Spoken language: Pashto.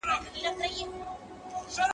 ته ولې زما په نوي پلان باندې بې ځایه نیوکې کوې؟